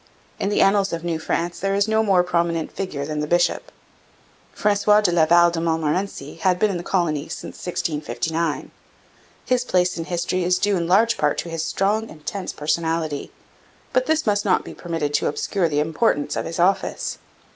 In the annals of New France there is no more prominent figure than the bishop. Francois de Laval de Montmorency had been in the colony since 1659. His place in history is due in large part to his strong, intense personality, but this must not be permitted to obscure the importance of his office.